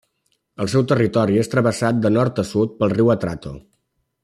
El seu territori és travessat de nord a sud pel riu Atrato.